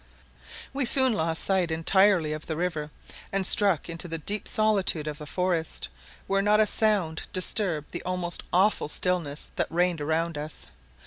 We soon lost sight entirely of the river, and struck into the deep solitude of the forest, where not a sound disturbed the almost awful stillness that reigned around us.